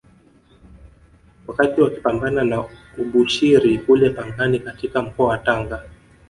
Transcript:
Wakati wakipambana na Abushiri kule Pangani katika mkoa wa Tanga